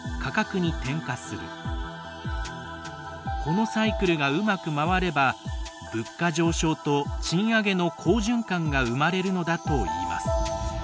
このサイクルがうまく回れば物価上昇と賃上げの好循環が生まれるのだといいます。